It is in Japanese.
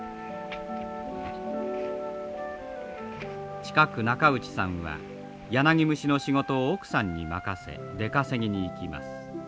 近く中内さんはヤナギムシの仕事を奥さんに任せ出稼ぎに行きます。